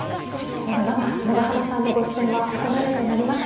永濱さんのご出演はここまでとなります。